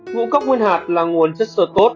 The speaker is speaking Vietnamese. ngũ cốc nguyên hạt là nguồn chất sơ tốt